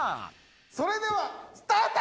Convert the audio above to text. それではスタート！